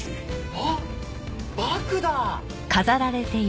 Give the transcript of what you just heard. あっバクだ！